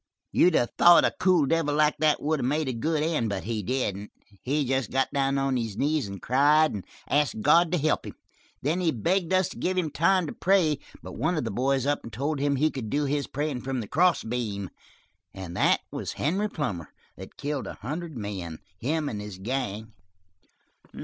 "You'd of thought a cool devil like that would of made a good end, but he didn't. He just got down on his knees and cried, and asked God to help him. Then he begged us to give him time to pray, but one of the boys up and told him he could do his prayin' from the cross beam. And that was Henry Plummer, that killed a hundred men, him an' his gang."